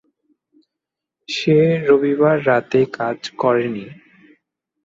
সে রবিবার রাতে কাজ করে নি।